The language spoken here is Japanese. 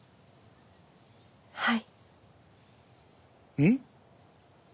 はい。